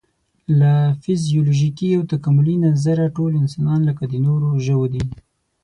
له فزیولوژیکي او تکاملي نظره ټول انسانان لکه د نورو ژوو دي.